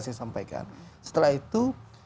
saya sampaikan setelah itu